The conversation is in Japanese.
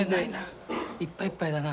いっぱいいっぱいだな。